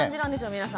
皆さん。